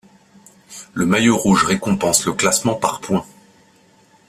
Le maillot rouge, récompense le classement par points.